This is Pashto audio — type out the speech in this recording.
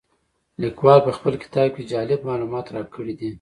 لیکوال په خپل کتاب کې جالب معلومات راکړي دي.